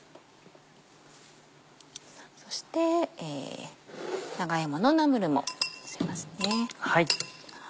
そして長芋のナムルものせますね。